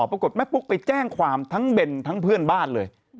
ปรากฏแม่ปุ๊กไปแจ้งความทั้งเบนทั้งเพื่อนบ้านเลย